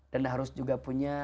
dan harus juga punya